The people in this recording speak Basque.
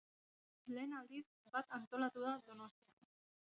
Lehen aldiz bat antolatu da Donostian.